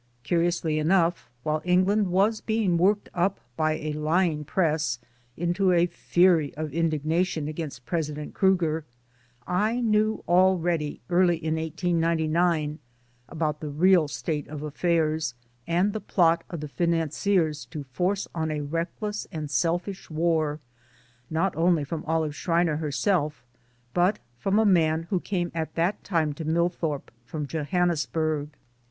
Curiously enough, while England was being worked up by a lying Press into a fury of indignation against President Kriiger I knew already early in 1899 about the real state of affairs and the plot of the financiers to force on a reckless and selfish war not only from Olive Schreiner herself but from a man who came at that time to Millthorpe from Johannesburg.